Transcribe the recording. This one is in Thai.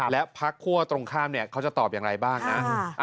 และพักคั่วตรงข้ามเนี่ยเขาจะตอบอย่างไรบ้างนะ